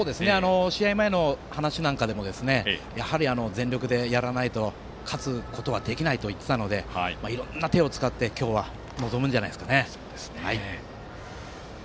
試合前の話でもやはり、全力でやらないと勝つことはできないと言っていたのでいろいろな手を使って今日は臨むんじゃないですかね。